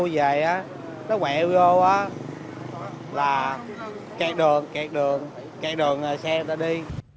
xe nó về nó đua về nó quẹo vô là cạt đường cạt đường xe ta đi